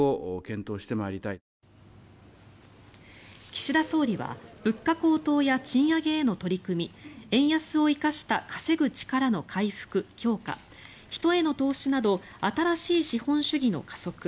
岸田総理は物価高騰や賃上げへの取り組み円安を生かした稼ぐ力の回復・強化人への投資など新しい資本主義の加速